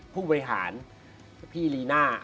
ผู้บริหารพี่ลีน่า